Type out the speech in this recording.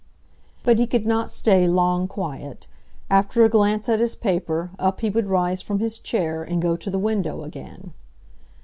But he could not stay long quiet. After a glance at his paper, up he would rise from his chair, and go to the window again.